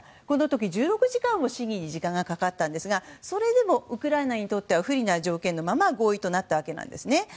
この時、１６時間も審議に時間がかかったんですがそれでもウクライナにとっては不利な条件のまま合意となったんです。